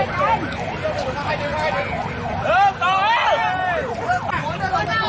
ตอนนี้ก็ไม่มีอัศวินทรีย์ขึ้นมา